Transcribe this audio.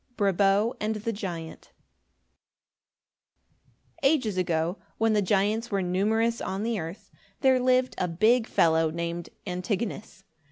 BRABO AND THE GIANT Ages ago, when the giants were numerous on the earth, there lived a big fellow named Antigonus.